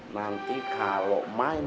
nanti kalau main